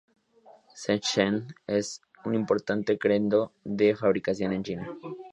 Shenzhen es un importante centro de fabricación en China.